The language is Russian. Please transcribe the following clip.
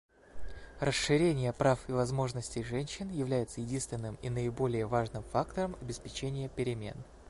Расширение прав и возможностей женщин является единственным и наиболее важным фактором обеспечения перемен.